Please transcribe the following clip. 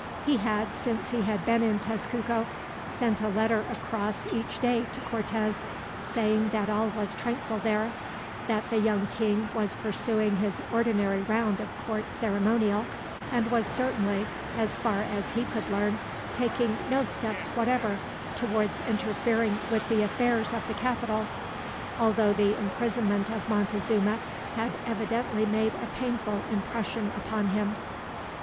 He had, since he had been in Tezcuco, sent a letter across each day to Cortez, saying that all was tranquil there; that the young king was pursuing his ordinary round of court ceremonial, and was certainly, as far as he could learn, taking no steps whatever towards interfering with the affairs of the capital, although the imprisonment of Montezuma had evidently made a painful impression upon him.